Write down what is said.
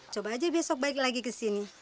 coba aja besok balik lagi ke sini